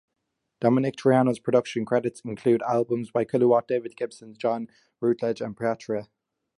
Domenic Troiano's production credits include albums by Kilowatt, David Gibson, John Rutledge, and Patria.